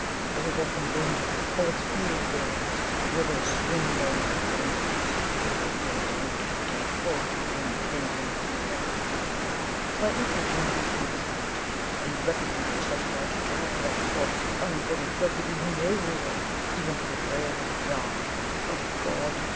"I have often wondered if poets feel what they write whether Swinburne, for instance, ever felt the weight of a dead cold thing within him HERE," slightly touching the region of his heart, "and realized that he had to drag that corpse of unburied love with him everywhere even to the grave, and beyond O God!